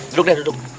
duduk deh duduk